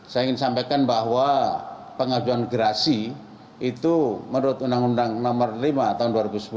saya ingin sampaikan bahwa pengajuan gerasi itu menurut undang undang nomor lima tahun dua ribu sepuluh